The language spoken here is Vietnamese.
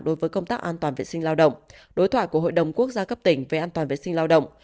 đối với công tác an toàn vệ sinh lao động đối thoại của hội đồng quốc gia cấp tỉnh về an toàn vệ sinh lao động